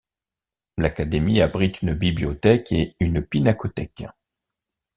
L'académie abrite une bibliothèque et une pinacothèque.